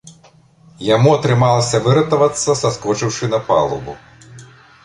Яму атрымалася выратавацца, саскочыўшы на палубу.